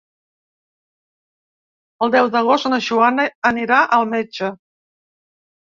El deu d'agost na Joana anirà al metge.